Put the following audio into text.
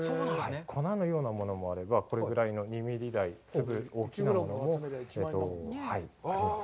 粉のようなものもあれば、これぐらいの、２ミリ台、大きなものもあります。